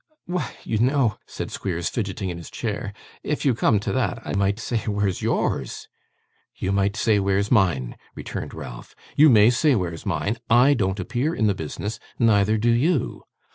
'Why, you know,' said Squeers, fidgeting in his chair, 'if you come to that, I might say where's yours?' 'You might say where's mine!' returned Ralph; 'you may say where's mine. I don't appear in the business, neither do you.